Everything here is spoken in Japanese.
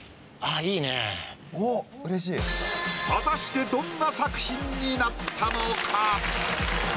果たしてどんな作品になったのか？